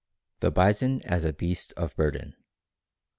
_The bison as a beast of burden.